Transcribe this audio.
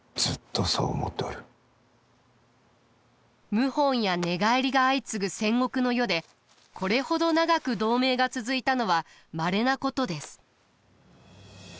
謀反や寝返りが相次ぐ戦国の世でこれほど長く同盟が続いたのはまれなことです。